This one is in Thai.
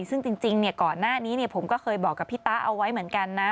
ซึ่งจริงก่อนหน้านี้ผมก็เคยบอกกับพี่ตะเอาไว้เหมือนกันนะ